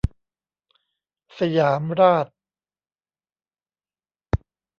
สยามราช